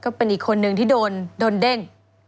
ก็เป็นอีกคนนึงที่โดนเด้ง